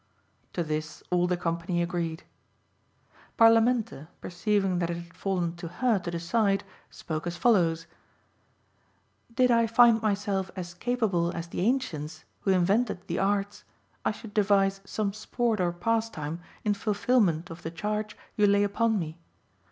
To this all the company agreed. Parlamente, perceiving that it had fallen to her to decide, spoke as follows "Did I find myself as capable as the ancients who invented the arts, I should devise some sport or pastime in fulfilment of the charge you lay upon me.